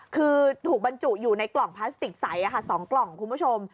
คือถูกบรรจุอยู่ในกล่องพลาสติกใส๒กล่องคุณผู้ชม